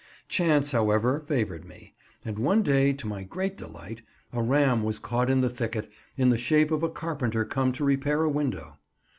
Chance, however, favoured me; and one day, to my great delight, a ram was caught in the thicket, in the shape of a carpenter, come to repair a window.